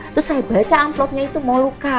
terus saya baca amplopnya itu mau luka